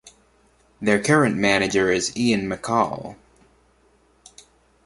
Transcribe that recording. Their current manager is Ian McCall.